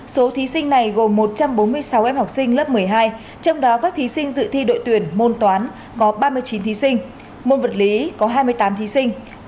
số thí sinh này gồm một trăm bốn mươi sáu em học sinh lớp một mươi hai trong đó các thí sinh dự thi đội tuyển môn toán có ba mươi chín thí sinh môn vật lý có hai mươi tám thí sinh